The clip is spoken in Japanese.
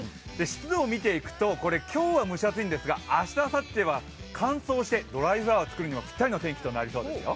湿度を見ていくと、今日は蒸し暑いんですが明日、あさっては乾燥してドライフラワー作るのにぴったりになりそうですよ。